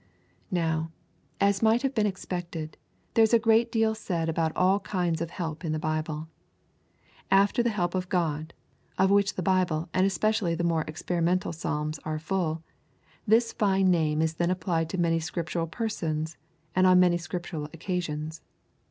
Now, as might have been expected, there is a great deal said about all kinds of help in the Bible. After the help of God, of which the Bible and especially the more experimental Psalms are full, this fine name is then applied to many Scriptural persons, and on many Scriptural occasions.